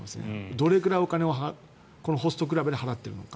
どれくらいお金をホストクラブに払っているのか。